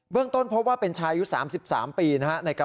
เบื้องต้นพบว่าเป็นชายอยู่๓๓ปีนะฮะ